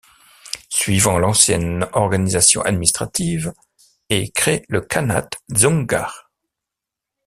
Suivant l’ancienne organisation administrative et créent le Khanat dzoungar.